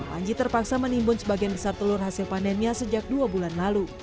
panji terpaksa menimbun sebagian besar telur hasil panennya sejak dua bulan lalu